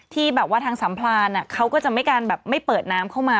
ที่แบบว่าทางสัมพลานเขาก็จะไม่การแบบไม่เปิดน้ำเข้ามา